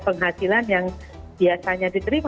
penghasilan yang biasanya diterima